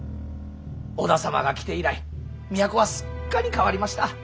織田様が来て以来都はすっかり変わりました。